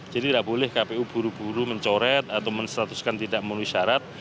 jadi tidak boleh kpu buru buru mencoret atau menstatuskan tidak memenuhi syarat